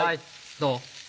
どう？